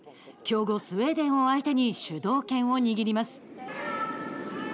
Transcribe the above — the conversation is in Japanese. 強豪スウェーデンを相手に主導権を握ります。